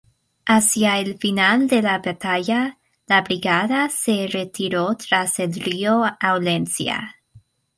Hacia el final de la batalla, la brigada se retiró tras el río Aulencia.